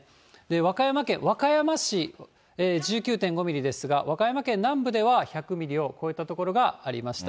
和歌山県和歌山市１９．５ミリですが、和歌山県南部では１００ミリを超えた所がありました。